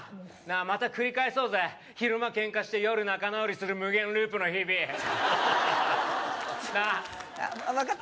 あまた繰り返そうぜ昼間ケンカして夜仲直りする無限ループの日々なあ分かった